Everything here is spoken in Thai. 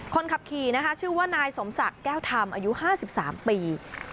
คนขับขี่ชื่อว่านายสมสักแก้วธามอายุ๕๓ปี